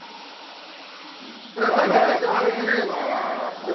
これさっき話したアールグレイの緑茶です。